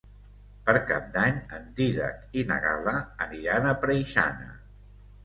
Per Cap d'Any en Dídac i na Gal·la aniran a Preixana.